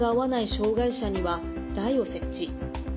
障害者には台を設置。